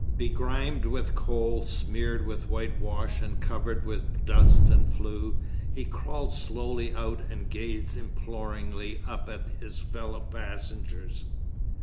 Begrimed with coal, smeared with whitewash, and covered with dust and flue, he crawled slowly out and gazed imploringly up at his fellow passengers.